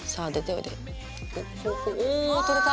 おお取れた！